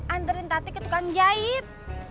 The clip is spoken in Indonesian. anderin tati ke tukang jahit